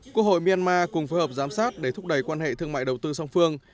quốc hội myanmar cùng phối hợp giám sát để thúc đẩy quan hệ thương mại đầu tư song phương